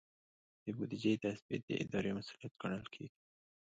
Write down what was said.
د بودیجې تثبیت د ادارې مسؤلیت ګڼل کیږي.